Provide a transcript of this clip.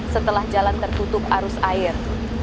setelah jalan tertutup arus air